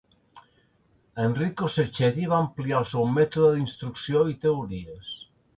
Enrico Cecchetti va ampliar el seu mètode d'instrucció i teories.